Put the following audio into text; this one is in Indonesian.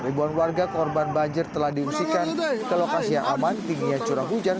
ribuan warga korban banjir telah diungsikan ke lokasi yang aman tingginya curah hujan